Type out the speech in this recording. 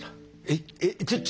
えっ？